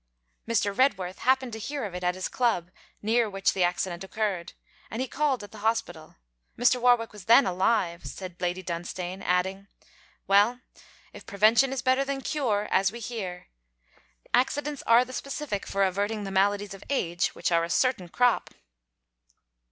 'Mr. Redworth happened to hear of it at his Club, near which the accident occurred, and he called at the hospital. Mr. Warwick was then alive,' said Lady Dunstane; adding: 'Well, if prevention is better than cure, as we hear! Accidents are the specific for averting the maladies of age, which are a certain crop!'